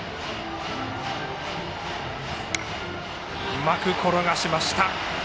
うまく転がしました。